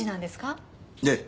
ええ。